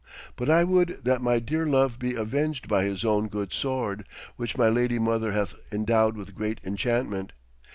But I would that my dear love be avenged by his own good sword, which my lady mother hath endowed with great enchantment.